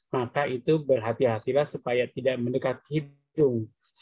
maka itu berhati hatilah supaya tidak mendekat hidung